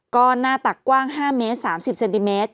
ก็หน้าตักกว้าง๕เมตร๓๐เซนติเมตร